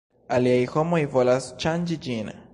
Aliaj homoj volas ŝanĝi ĝin.